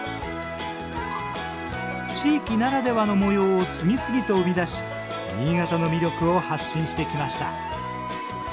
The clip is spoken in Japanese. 地域ならではの模様を次々と生み出し新潟の魅力を発信してきました。